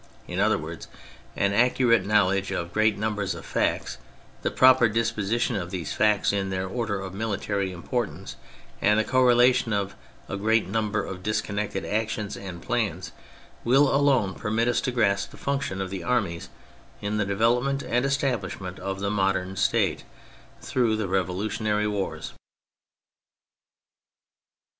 In other words, an accurate knowledge of great numbers of facts, the proper disposition of these facts in their order of military importance, and the cor relation of a great number of disconnected actions and plans will alone permit us to grasp the function of the armies in the development and establishment of the modern State through the revolutionary wars.